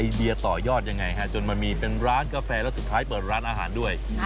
เดียต่อยอดยังไงฮะจนมันมีเป็นร้านกาแฟแล้วสุดท้ายเปิดร้านอาหารด้วย